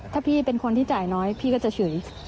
ถ้าพี่เป็นคนที่จ่ายน้อยพี่ก็จะเฉย